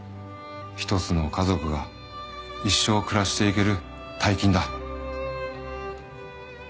一つの家族が一生暮らしていける大金だ。